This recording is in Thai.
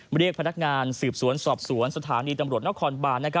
เรียกพนักงานสืบสวนสอบสวนสถานีตำรวจนครบาน